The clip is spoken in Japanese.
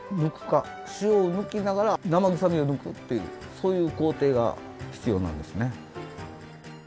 そういう工程が必要なんですね。